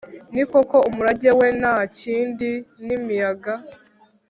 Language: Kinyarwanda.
ni koko umurage we nta kindi ni imiyaga